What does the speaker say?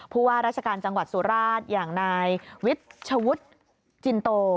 ผู้ว่าราชการจังหวัดสุราชอย่างนายวิชวุฒิจินโต